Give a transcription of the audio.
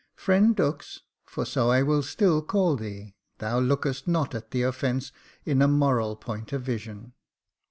" Friend Dux, for so I will still call thee, thou lookest not at the offence in a moral point of vision."